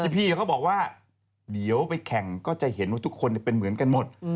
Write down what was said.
พี่เขาบอกว่าเดี๋ยวไปแข่งก็จะเห็นว่าทุกคนเป็นเหมือนกันหมด